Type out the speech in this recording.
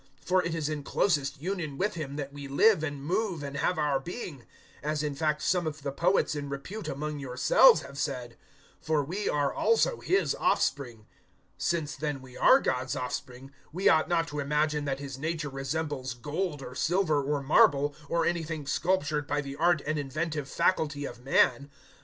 017:028 For it is in closest union with Him that we live and move and have our being; as in fact some of the poets in repute among yourselves have said, `For we are also His offspring.' 017:029 Since then we are God's offspring, we ought not to imagine that His nature resembles gold or silver or marble, or anything sculptured by the art and inventive faculty of man.